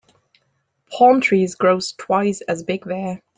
Palm trees grows twice as big there.